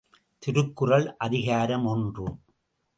திருக்குறள் அதிகாரம் ஒன்று.